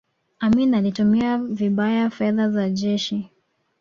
amin alitumia vibaya fedha za jeshi